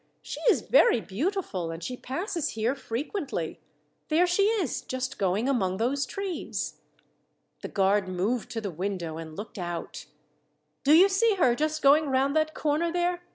She is very beautiful, and she passes here frequently. There she is, just going among those trees." The guard moved to the window and looked out. "Do you see her just going round that corner there?